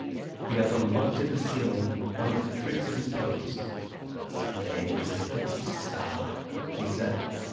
The other looked at the ceiling, one of the tricks of his pose. "Sunday is a fixed star," he said.